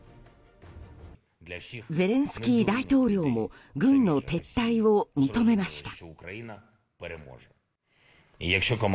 ゼレンスキー大統領も軍の撤退を認めました。